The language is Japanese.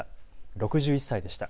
６１歳でした。